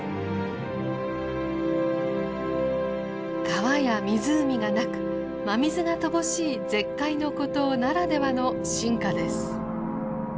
川や湖がなく真水が乏しい絶海の孤島ならではの進化です。